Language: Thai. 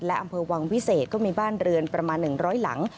และอำเภอวังวิเศษก็มีบ้านเรือนประมาณ๑๐๐หลัง